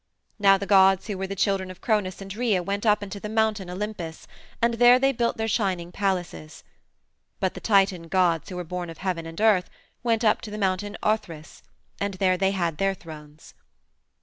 Now the gods who were the children of Cronos and Rhea went up unto the Mountain Olympus, and there they built their shining palaces. But the Titan gods who were born of Heaven and Earth went up to the Mountain Othrys, and there they had their thrones.